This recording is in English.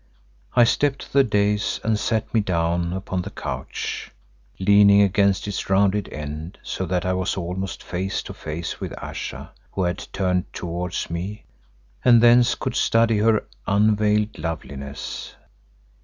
I stepped to the dais and sat me down upon the couch, leaning against its rounded end so that I was almost face to face with Ayesha who had turned towards me, and thence could study her unveiled loveliness.